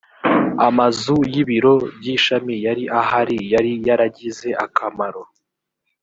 amazu y ibiro by ishami yari ahari yari yaragize akamaro